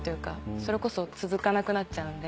それこそ続かなくなっちゃうんで。